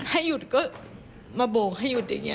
ให้หยุดก็มาโบกให้หยุดอย่างนี้